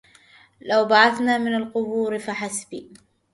لو بعثنا من القبور فحسبي